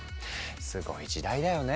すごい時代だよね。